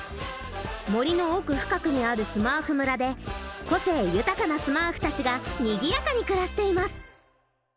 森の奥深くにあるスマーフ村で個性豊かなスマーフたちがにぎやかに暮らしています。